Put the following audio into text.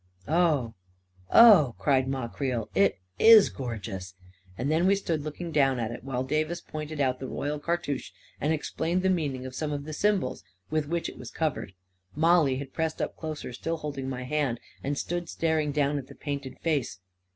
44 Oh, oh !" cried Ma Creel. 44 It is gorgeous 1 " And then we stood looking down at it while Davis pointed out the royal cartouche, and explained the meaning of some of the symbols with which it was covered. Mollie had pressed up closer, still holding my hand, and stood staring down at the painted face.